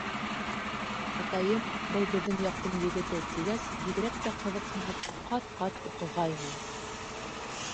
Атайым, был беҙҙең яҡтың егете, тигәс, бигерәк тә ҡыҙыҡһынып, ҡат-ҡат уҡығайным.